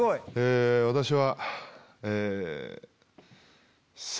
私は。